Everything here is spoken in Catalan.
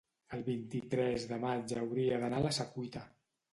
el vint-i-tres de maig hauria d'anar a la Secuita.